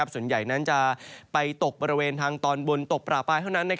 ส่วนใหญ่นั้นจะไปตกบริเวณทางตอนบนตกปลาปลายเท่านั้น